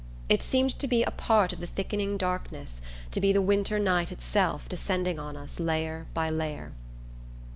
It seemed to be a part of the thickening darkness, to be the winter night itself descending on us layer by layer.